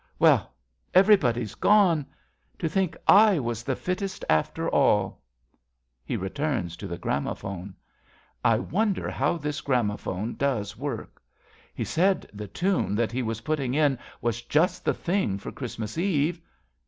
Well, everybody's gone. ... To think / was the fittest, after all ! 68 A BELGIAN CHRISTMAS EVE {He returns to the gramophone.) I wonder how this gramophone does work. He said the tune that he was putting in Was just the thing for Christmas Eve.